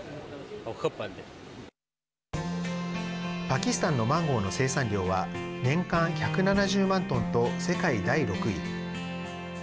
パキスタンのマンゴーの生産量は年間１７０万トンと世界第６位。